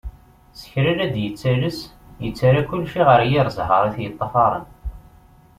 S kra la d-yettales, yettarra kulci ɣer yir ẓẓher i t-yeṭṭafaren.